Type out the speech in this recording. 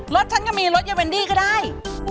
รถฉันก็มีรถยาเวนดี้ก็ได้